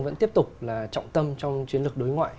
vẫn tiếp tục là trọng tâm trong chiến lược đối ngoại